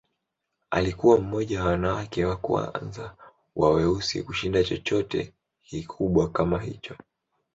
Alikuwa mmoja wa wanawake wa kwanza wa weusi kushinda chochote kikubwa kama hicho.